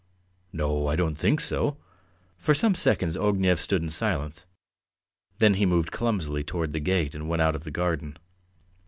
"No, I don't think so. ..." For some seconds Ognev stood in silence, then he moved clumsily towards the gate and went out of the garden.